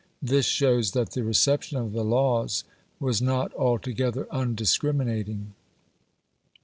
This shows that the reception of the Laws was not altogether undiscriminating.